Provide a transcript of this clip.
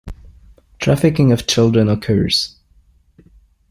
Trafficking of children occurs.